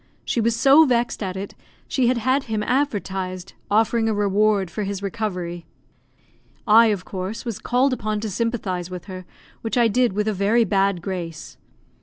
She was so vexed at it, she had had him advertised, offering a reward for his recovery. I, of course, was called upon to sympathise with her, which I did with a very bad grace.